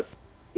itu bulan oktober